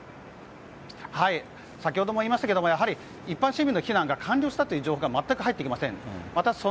先ほども言いましたが一般市民の避難が完了したという情報がまったく入ってきません。